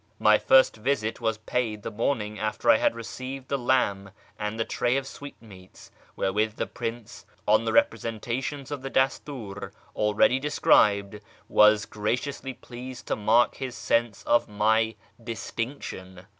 My first visit was paid the morning after I had received the lamb and the tray of sweetmeats wherewith tlie Prince, on the representations of the Dastur, already described, was graciously pleased to mark his sense of my " distinction."